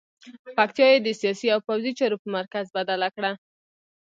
پکتیا یې د سیاسي او پوځي چارو په مرکز بدله کړه.